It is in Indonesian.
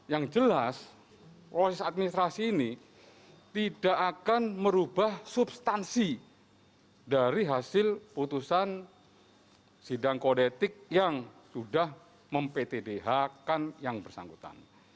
yang jelas proses administrasi ini tidak akan merubah substansi dari hasil putusan sidang kodetik yang sudah mem ptdh kan yang bersangkutan